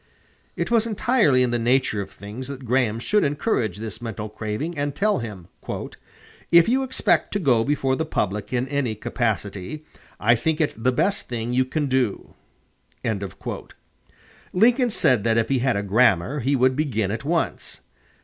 It was entirely in the nature of things that Graham should encourage this mental craving, and tell him: "If you expect to go before the public in any capacity, I think it the best thing you can do." Lincoln said that if he had a grammar he would begin at once.